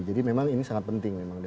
jadi memang ini sangat penting memang